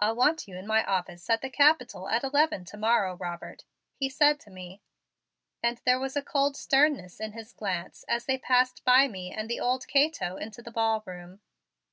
"I'll want you in my office at the Capitol at eleven to morrow, Robert," he said to me, and there was a cold sternness in his glance as they passed by me and the old Cato into the ballroom.